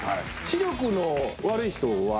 視力の悪い人は？